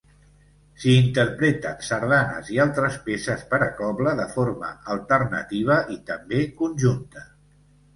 S'hi interpreten sardanes i altres peces per a cobla de forma alternativa i també conjunta.